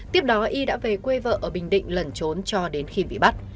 tiếp đó y đã về quê vợ ở bình định lẩn trốn cho đến khi bị bắt